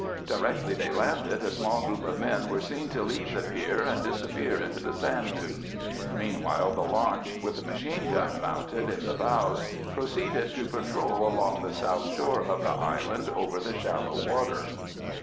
Directly they landed, a small group of men were seen to leave the pier and disappear into the sand dunes. Meanwhile the launch, with a machine gun mounted in the bows, proceeded to patrol along the south shore of the island over the shallow water.